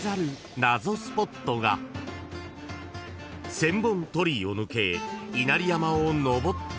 ［千本鳥居を抜け稲荷山を登っていくと］